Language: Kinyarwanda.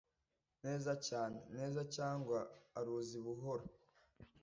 neza cyane, neza cyangwa aruzi buhoro.